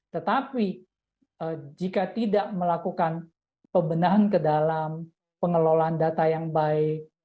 tetapi jika tidak melakukan pembenahan ke dalam pengelolaan data yang baik